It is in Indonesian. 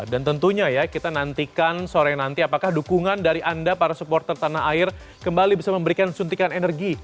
dan tentunya ya kita nantikan sore nanti apakah dukungan dari anda para supporter tanah air kembali bisa memberikan suntikan energi